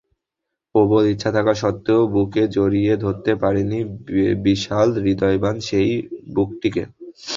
প্রবল ইচ্ছা থাকা সত্ত্বেও বুকে জড়িয়ে ধরতে পারিনি বিশাল হৃদয়বান সেই বুকটিকে।